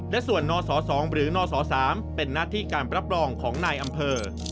และส่วนนศ๒หรือนศ๓เป็นหน้าที่การรับรองของนายอำเภอ